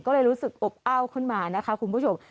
ก็เลยรู้สึกอบอ้าวขึ้นมานะคะคุณผู้ชม